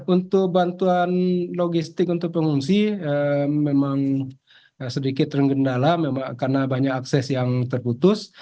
untuk bantuan logistik untuk pengungsi memang sedikit tergendala karena banyak akses yang terputus